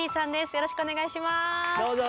よろしくお願いします。